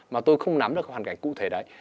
mà tôi không nắm được hoàn cảnh cụ thể đấy